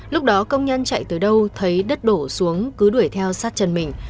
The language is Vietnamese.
lúc đó công nhân chạy từ đâu thấy đất đổ xuống cứ đuổi theo sát chân mình